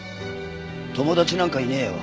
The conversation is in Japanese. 友達なんかいねえよ